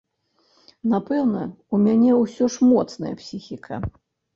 Напэўна, у мяне ўсё ж моцная псіхіка.